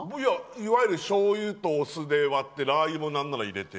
いわゆるしょうゆとお酢で割って何ならラーユも入れて。